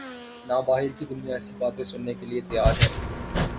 نہ باہر کی دنیا ایسی باتیں سننے کیلئے تیار ہے۔